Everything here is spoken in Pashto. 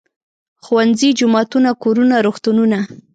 ښوونځي، جوماتونه، کورونه، روغتونونه.